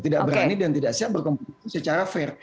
tidak berani dan tidak siap berkompetisi secara fair